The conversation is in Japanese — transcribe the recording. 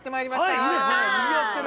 はいいいですねにぎわってる